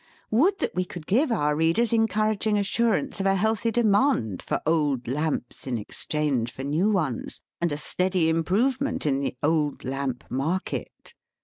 Would that we could give our readers en couraging assurance of & healthy demand for Old Lamps in exchange for New ones, and a steady improvement in the Old Lamp Market